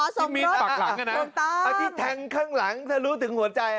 ที่มีปากหลังนั้นนะถูกต้องที่แทงข้างหลังถ้ารู้ถึงหัวใจ